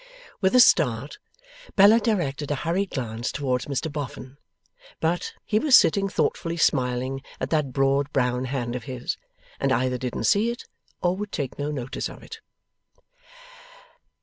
With a start, Bella directed a hurried glance towards Mr Boffin. But, he was sitting thoughtfully smiling at that broad brown hand of his, and either didn't see it, or would take no notice of it.